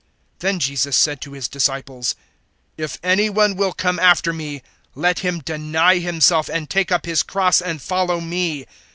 (24)Then Jesus said to his disciples: If any one will come after me, let him deny himself, and take up his cross, and follow me.